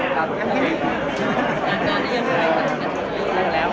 จากเมื่อกี้ยากกันยังไงจากกันยังไหว